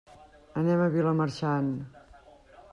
Anem a Vilamarxant.